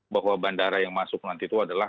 bahwa bandara yang masuk nanti itu adalah